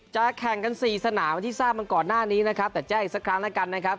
แข่งกันสี่สนามที่ทราบมาก่อนหน้านี้นะครับแต่แจ้งอีกสักครั้งแล้วกันนะครับ